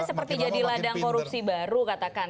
seperti jadi ladang korupsi baru katakan